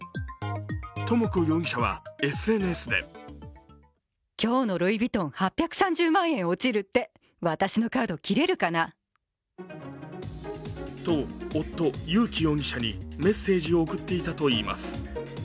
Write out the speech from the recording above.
智子容疑者はＳＮＳでと夫・友紀容疑者にメッセージを送っていたといいます。